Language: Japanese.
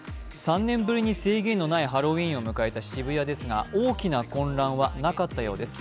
３年ぶりに制限のないハロウィーンを迎えた渋谷ですが大きな混乱はなかったようです。